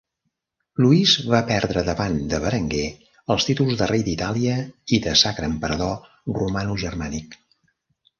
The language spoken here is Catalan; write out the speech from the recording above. Louis va perdre davant de Berenguer els títols de rei d'Itàlia i de Sacre Emperador Romanogermànic.